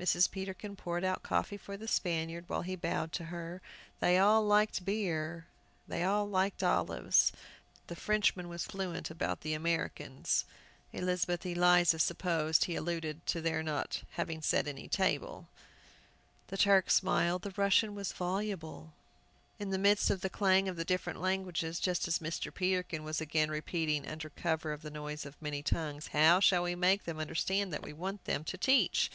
Mrs. Peterkin poured out coffee for the Spaniard, while he bowed to her. They all liked beer, they all liked olives. The Frenchman was fluent about "les moeurs Américaines." Elizabeth Eliza supposed he alluded to their not having set any table. The Turk smiled, the Russian was voluble. In the midst of the clang of the different languages, just as Mr. Peterkin was again repeating, under cover of the noise of many tongues, "How shall we make them understand that we want them to teach?"